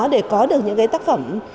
để có được những cái tác phẩm